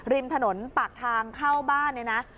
ริมถนนปากทางเข้าบ้านเนี่ยนะ